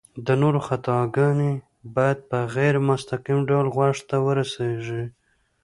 د نورو خطاګانې بايد په غير مستقيم ډول غوږ ته ورورسيږي